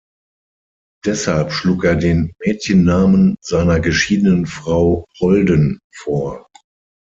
Deshalb schlug er den Mädchennamen seiner geschiedenen Frau "Holden" vor.